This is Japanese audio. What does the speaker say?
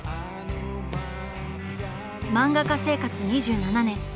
漫画家生活２７年。